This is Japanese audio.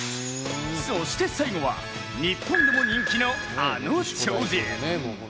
そして最後は日本でも人気のあの超人。